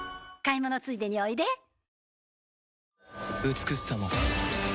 美しさも